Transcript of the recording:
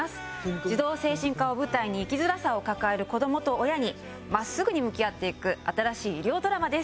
児童精神科を舞台に生きづらさを抱える子供と親に真っすぐに向き合っていく新しい医療ドラマです。